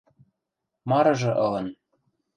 Марыжы ылын.